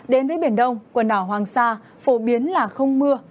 đến với biển đông quần đảo hoàng sa phổ biến là không mưa